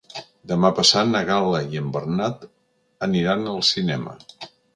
Demà passat na Gal·la i en Bernat aniran al cinema.